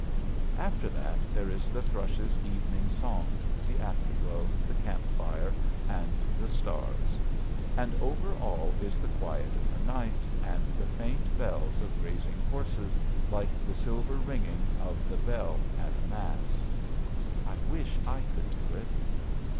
After that, there is the thrush's evening song, the afterglow, the camp fire, and the stars. And over all is the quiet of the night, and the faint bells of grazing horses, like the silver ringing of the bell at a mass. I wish I could do it.